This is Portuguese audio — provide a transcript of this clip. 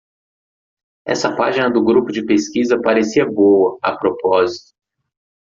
Essa página do grupo de pesquisa parecia boa, a propósito.